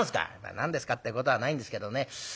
「何ですかってことはないんですけどね。